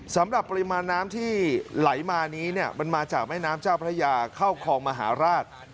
สำหรับปริมาณน้ำที่ไหลมานี้เนี่ยมันมาจากแม่น้ำเจ้าพระยาเข้าคลองมหาราช